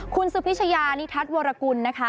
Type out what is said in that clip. คุณสุพิชยานิทัศน์วรกุลนะคะ